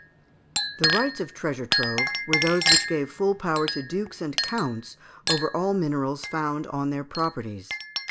The rights of treasure trove were those which gave full power to dukes and counts over all minerals found on their properties.